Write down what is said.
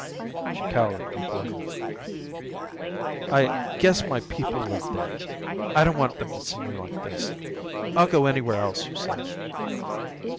She cowered before him. "I guess my people live there. I don't want them to see me like this. I'll go anywhere else you say."